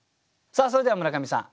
それでは村上さん